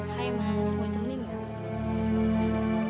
hai mas waduh ini dia